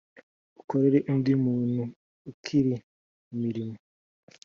akorere undi muntu ikiri mu mirimo